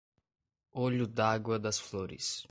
Olho d'Água das Flores